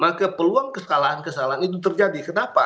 maka peluang kesalahan kesalahan itu terjadi kenapa